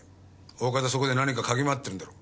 大方そこで何か嗅ぎ回ってるんだろう。